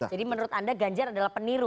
jadi menurut anda ganjar adalah peniru